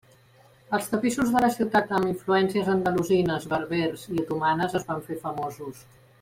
Els tapissos de la ciutat amb influències andalusines, berbers i otomanes es van fer famosos.